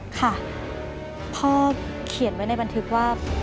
ค่ะพ่อเขียนไว้ในบันทึกว่า